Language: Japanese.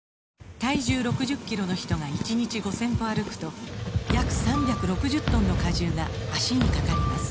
体重６０キロの人が１日５０００歩歩くと約３６０トンの荷重が脚にかかります